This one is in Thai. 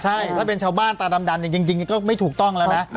ใช่ถ้าเป็นชาวบ้านตาดำจริงก็ไม่ถูกต้องแล้วนะ